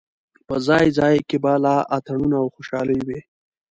په ځای ځای کې به لا اتڼونه او خوشالۍ وې.